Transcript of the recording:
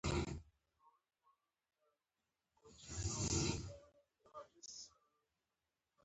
په لویه برېتانیا کې د ټوکر اغوستل منع دي.